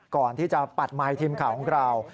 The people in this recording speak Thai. ก่อนที่จะปัดไมค์ทีมข่าวของเรา